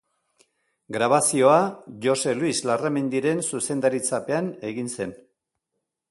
Grabazioa Jose Luis Larramendiren zuzendaritzapean egin zen.